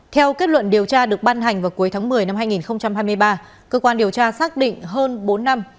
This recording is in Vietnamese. theo kết luận điều tra được ban hành vào cuối tháng một mươi năm hai nghìn hai mươi ba cơ quan điều tra xác định hơn bốn năm